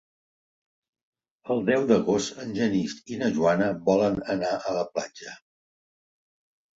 El deu d'agost en Genís i na Joana volen anar a la platja.